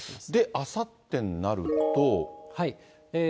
あさってになると。